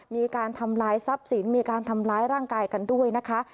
มีการทำลายทรัพย์สินมีการทำร้ายร่างกายกันด้วยนะคะ